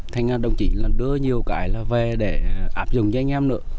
thế nên đồng chí đưa nhiều cái về để áp dụng cho anh em